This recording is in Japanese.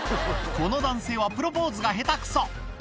この男性はプロポーズがヘタくそ